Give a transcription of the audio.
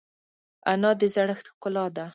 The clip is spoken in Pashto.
انا د زړښت ښکلا ده